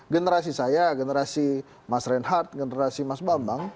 generasi saya generasi mas reinhardt generasi mas bambang